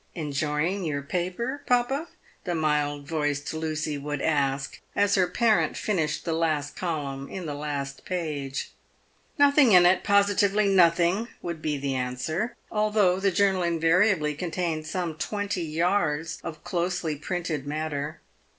"Enjoying your paper, papa?" the mild voiced Lucy would ask, as her parent finished the last column in the last page. " Nothing in it — positively nothing," would be the answer, although the journal invariably contained some twenty yards of closely printed matter.